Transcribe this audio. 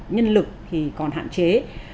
nhân lực còn hạn chế